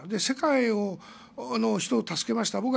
世界の人を助けました。